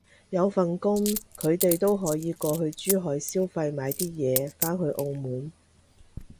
有份工，佢哋都可以過去珠海消費買啲嘢返去澳門